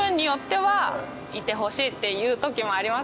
はい。